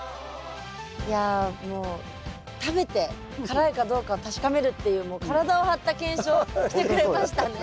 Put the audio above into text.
いやもう食べて辛いかどうかを確かめるっていうもう体を張った検証をしてくれましたね。